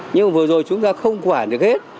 nhưng mà vừa rồi chúng ta không quản được hết